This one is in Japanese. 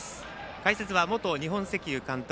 解説は元日本石油監督